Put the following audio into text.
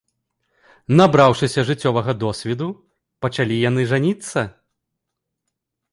Набраўшыся жыццёвага досведу, пачалі яны жаніцца.